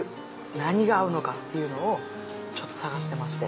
何が合うのかっていうのをちょっと探してまして。